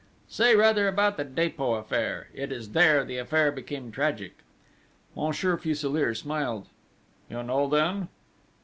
"Say rather about the Dépôt affair! It is there the affair became tragic." Monsieur Fuselier smiled: "You know then?"